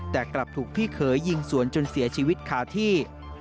แต่กลับถูกพี่เขยยิงสวนจนเสียชีวิตคาที่